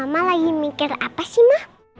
mama lagi mikir apa sih mah